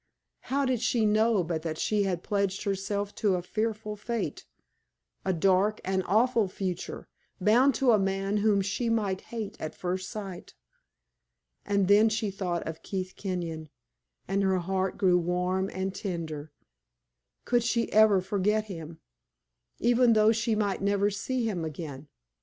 How did she know but that she had pledged herself to a fearful fate a dark, an awful future, bound to a man whom she might hate at first sight? And then she thought of Keith Kenyon, and her heart grew warm and tender. Could she ever forget him, even though she might never see him again?